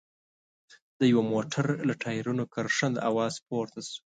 د يوه موټر له ټايرونو کرښنده اواز پورته شو.